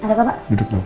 iya pak bos